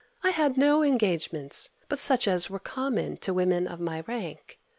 I had no engagements but such as were common to women of my rank.